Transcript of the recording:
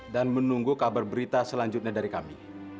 dan menunggu kabar berita selanjutnya dari kami